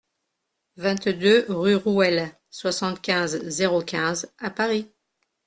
vingt-deux rue Rouelle, soixante-quinze, zéro quinze à Paris